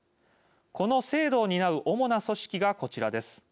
この制度を担う主な組織がこちらです。